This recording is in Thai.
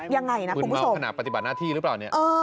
ยังไงนะคุณผู้สมบึนเมาขนาดปฏิบัติหน้าที่หรือเปล่า